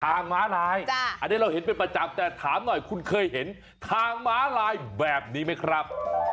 ม้าลายอันนี้เราเห็นเป็นประจำแต่ถามหน่อยคุณเคยเห็นทางม้าลายแบบนี้ไหมครับ